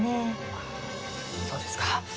あそうですか。